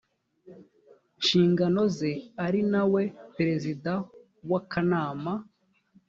nshingano ze ari na we perezida w akanama